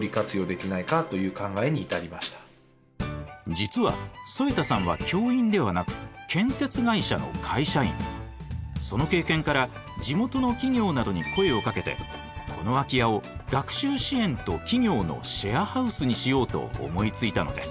実は添田さんはその経験から地元の企業などに声をかけてこの空き家を学習支援と企業のシェアハウスにしようと思いついたのです。